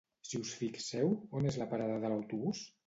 Si us fixeu, on és la parada de l'autobús?